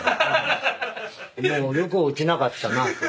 でもよく落ちなかったなと。